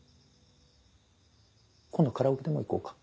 今度カラオケでも行こうか。